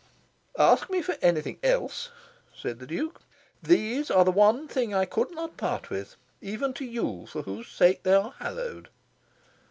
"Ask me for anything else," said the Duke. "These are the one thing I could not part with even to you, for whose sake they are hallowed."